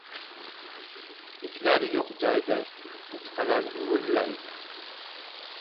• Itlar yo‘q joyda cho‘chqalar uvillaydi.